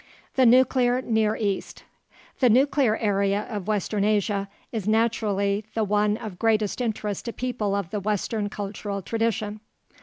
THE NUCLEAR NEAR EAST The nuclear area of western Asia is naturally the one of greatest interest to people of the western cultural tradition.